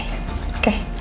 sebentar ya ma